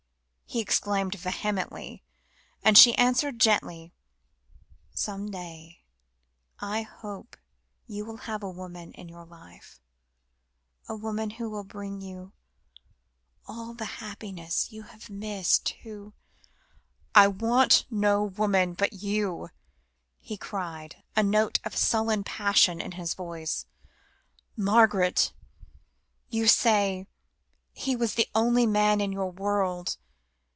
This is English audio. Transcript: he exclaimed vehemently, and she answered gently "Some day, I hope you will have a woman in your life, a woman who will bring you all the happiness you have missed, who " "I want no woman but you," he cried, a note of sullen passion in his voice. "Margaret you say he was the only man in your world.